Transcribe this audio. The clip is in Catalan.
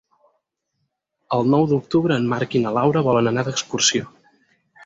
El nou d'octubre en Marc i na Laura volen anar d'excursió.